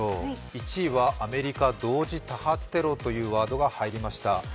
１位はアメリカ同時多発テロというワードが入りました。